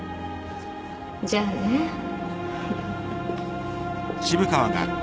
じゃあねフフフ